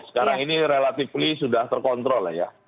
sekarang ini relatifly sudah terkontrol ya